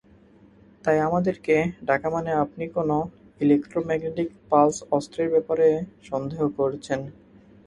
তাই, আমাদেরকে ডাকা মানে আপনি কোনও ইলেক্ট্রো ম্যাগনেটিক পালস অস্ত্রের ব্যাপারে সন্দেহ করছেন!